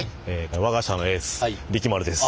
我が社のエース力丸です。